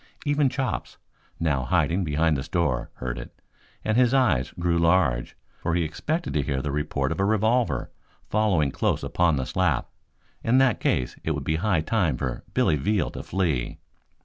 Even Chops, now hiding behind the store, heard it, and his eyes grew large, for he expected to hear the report of a revolver following close upon the slap. In that case it would be high time for Billy Veal to flee.